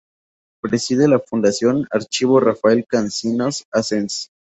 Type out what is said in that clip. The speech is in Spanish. Preside la Fundación-Archivo Rafael Cansinos Assens.